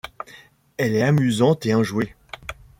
Elle est amusante et enjouée.